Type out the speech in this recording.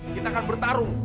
kita akan bertarung